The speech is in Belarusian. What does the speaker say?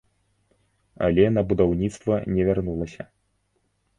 Але на будаўніцтва не вярнулася.